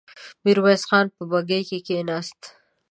ميرويس خان په بګۍ کې کېناست.